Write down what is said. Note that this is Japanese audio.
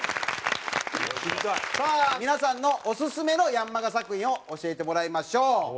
さあ皆さんのオススメの『ヤンマガ』作品を教えてもらいましょう。